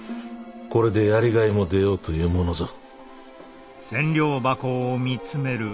これでやりがいも出ようというものぞ。